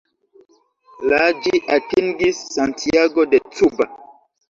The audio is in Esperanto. La ĝi atingis Santiago de Cuba.